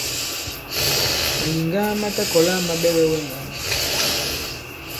Màyìŋga ma ta kɔ̀la ma ɓɛgɛ wɛ ŋgǎn.